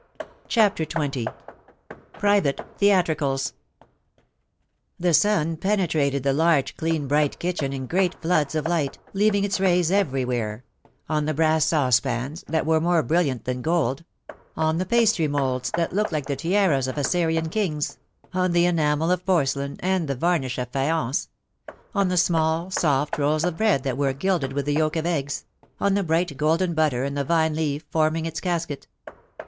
IGO philomI:ne's maeriages. CHAPTER XX. PRIVATE THEATRICALS. rriHE sun penetrated the large, clean, bright kitchen JL in great floods of light, leaving its rays every where— on the brass saucepans, that were more brilliant than gold ; on the pastry moulds, that looked like th6 tiaras of Assyrian kings; on the enamel of porcelain, and the varnish of faience; on the small, soft rolls of bread that W'ere gilded with the yolk of eggs; on the bright golden but ter, and the vine leaf forming its casket.